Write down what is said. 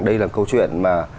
đây là câu chuyện mà